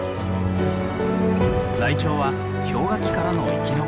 ライチョウは氷河期からの生き残り。